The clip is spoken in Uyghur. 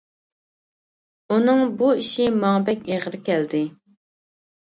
ئۇنىڭ بۇ ئىشى ماڭا بەك ئېغىر كەلدى.